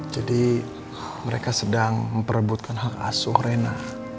jadi mereka sedang memperebutkan hak asuh reina